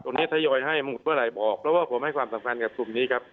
ทยอยให้หมดเมื่อไหร่บอกเพราะว่าผมให้ความสำคัญกับกลุ่มนี้ครับ